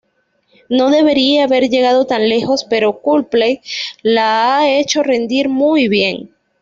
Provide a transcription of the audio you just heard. No debería haber llegado tan lejos, pero Coldplay la ha hecho rendir muy bien.